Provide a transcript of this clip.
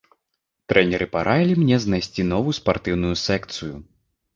Трэнеры параілі мне знайсці новую спартыўную секцыю.